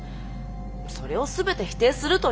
それを全て否定するというのは。